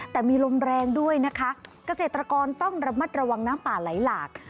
แต่มีลมแรงด้วยนะคะเกษตรกรต้องระมัดระวังน้ำป่าไหลหลาก